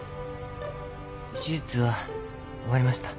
手術は終わりました。